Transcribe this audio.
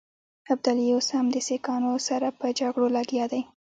ابدالي اوس هم د سیکهانو سره په جګړو لګیا دی.